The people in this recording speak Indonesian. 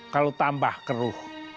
kalau tambah keruh